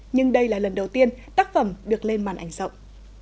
nhưng đây là lần đầu tiên tác phẩm được lên màn ảnh rộng